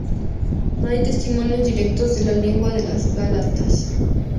No hay testimonios directos de la lengua de los gálatas.